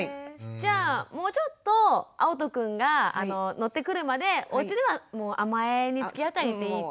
じゃあもうちょっとあおとくんが乗ってくるまでおうちでは甘えにつきあってていいと。